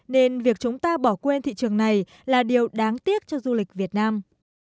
nên việc chúng ta bỏ quên thị trường này là điều đáng tiếc cho du lịch việt nam